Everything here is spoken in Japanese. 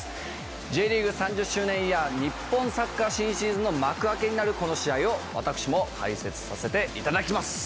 Ｊリーグ３０周年イヤー日本サッカー新シーズンの幕開けになるこの試合を私も解説させていただきます。